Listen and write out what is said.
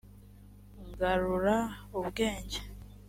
ngarura ubwenge.